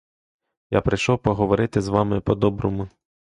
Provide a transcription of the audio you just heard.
Я прийшов поговорити з вами по-доброму.